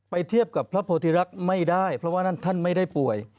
เทียบกับพระโพธิรักษ์ไม่ได้เพราะว่านั่นท่านไม่ได้ป่วย